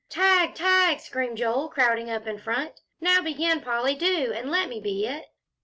"Tag tag!" screamed Joel, crowding up in front. "Now begin, Polly, do, and let me be it."